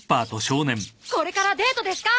これからデートですか？